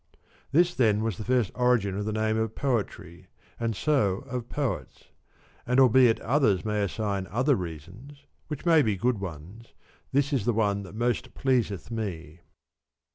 This then was the first origin of the name of poetry, and so of poets ; and albeit others may assign other reasons, which may be good ones, this is the one that most pleaseth me.